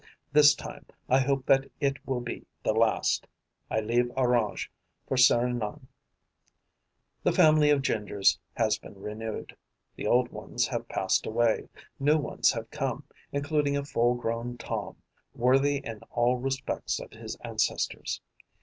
This time, I hope that it will be the last. I leave Orange for Serignan. The family of Gingers has been renewed: the old ones have passed away, new ones have come, including a full grown Tom, worthy in all respects of his ancestors.